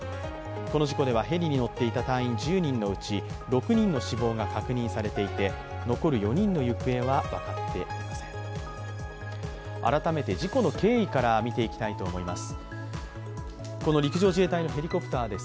この事故ではヘリに乗っていた隊員１０人のうち６人の死亡が確認されていて、残る４人の行方は分かっていません改めて事故の経緯から見ていきたいと思います。